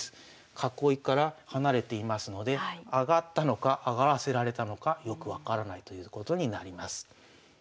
囲いから離れていますので上がったのか上がらせられたのかよく分からないということになります。